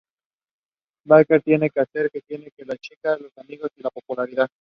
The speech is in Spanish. Beckett tiene que hacer; que tiene a la chica, los amigos y la popularidad.